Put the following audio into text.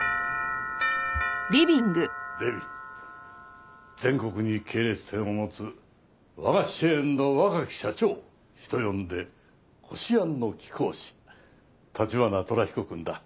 麗美全国に系列店を持つ和菓子チェーンの若き社長人呼んでこし餡の貴公子橘虎彦くんだ。